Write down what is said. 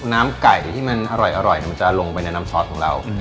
น้ำไก่ที่มันอร่อยมันจะลงไปในน้ำซอสของเรา